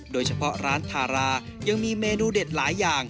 โดยเฉพาะร้านทารายังมีเมนูเด็ดหลายอย่าง